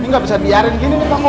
bunda itu kan cahaya banget sama kamu